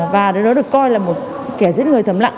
và nó được coi là một kẻ giết người thầm lặng